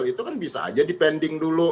kita aja dipending dulu